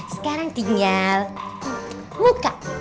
sekarang tinggal muka